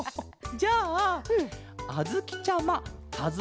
じゃああづきちゃまかず